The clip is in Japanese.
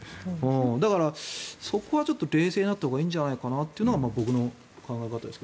だから、そこはちょっと冷静になったほうがいいんじゃないかなというのが僕の考え方ですが。